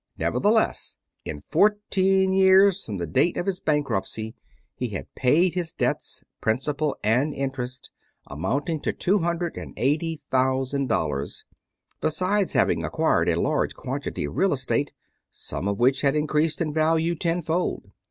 Nevertheless, in fourteen years from the date of his bankruptcy he had paid his debts, principal and interest, amounting to two hundred and eighty thousand dollars, besides having acquired a large quantity of real estate, some of which had increased in value tenfold.